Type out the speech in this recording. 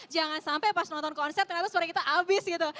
jangan sampai pas nonton konser ternyata suara kita habis gitu